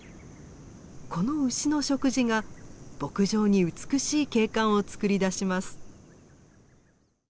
この牛の食事が牧場に美しい景観を作り出します。